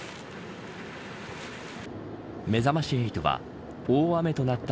めざまし８は大雨となった